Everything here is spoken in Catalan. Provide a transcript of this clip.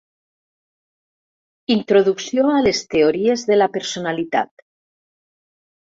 Introducció a les Teories de la Personalitat.